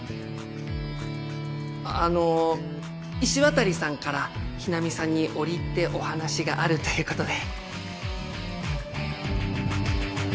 あの石渡さんから日菜美さんに折り入ってお話があるということで。